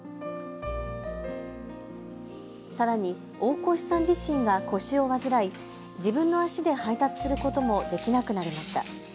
さらに大越さん自身が腰を患い自分の足で配達することもできなくなりました。